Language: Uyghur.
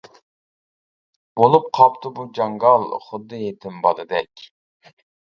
بولۇپ قاپتۇ بۇ جاڭگال، خۇددى يېتىم بالىدەك.